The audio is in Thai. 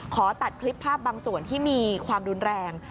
ขอตัดคลิปภาพบางส่วนที่มีความรุนแรง